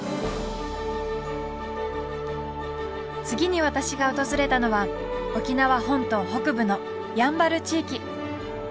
次に私が訪れたのは沖縄本島北部のやんばる地域。